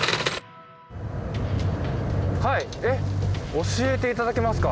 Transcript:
はいえっ教えていただけますか？